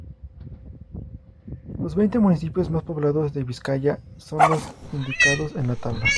Los veinte municipios más poblados de Vizcaya son los indicados en la tabla.